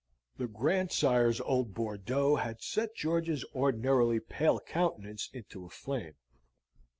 The grandsire's old Bordeaux had set George's ordinarily pale countenance into a flame.